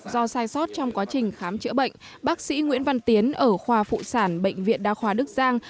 do sai sót trong quá trình khám chữa bệnh bác sĩ nguyễn văn tiến ở khoa phụ sản bệnh viện đa khoa đức giang